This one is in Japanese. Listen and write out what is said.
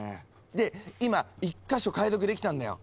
で今１か所解読できたんだよ。